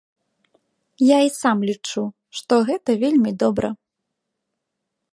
Я і сам лічу, што гэта вельмі добра.